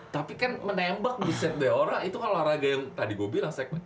tapi kan menembak di segmen orang itu kan luar naga yang tadi gua bilang segmen